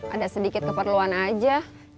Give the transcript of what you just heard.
ada sedikit keperluan aja